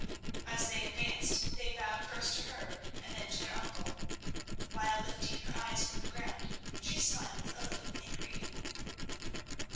As they advanced they bowed first to her and then to their uncle, while, lifting her eyes from the ground, she smiled a little in greeting.